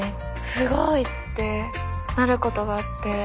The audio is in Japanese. すごいってなることがあって。